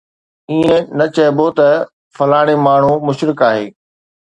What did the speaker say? ائين نه چئبو ته فلاڻي ماڻهو مشرڪ آهي